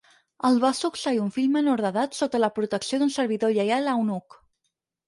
El va succeir un fill menor d'edat sota la protecció d'un servidor lleial eunuc.